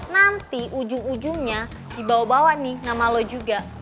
nanti ujung ujungnya dibawa bawa nih nama lo juga